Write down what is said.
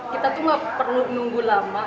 kita tuh gak perlu nunggu lama